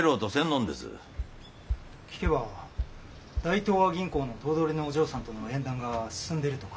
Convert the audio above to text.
・聞けば大東亜銀行の頭取のお嬢さんとの縁談が進んでいるとか。